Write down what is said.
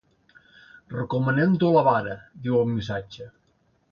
Recomanem dur la vara, diu el missatge.